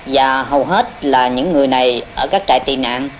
và hầu hết là những người này ở các trại tị nạn